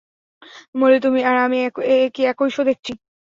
মলি, তুমি আর আমি কি একই শো দেখেছি?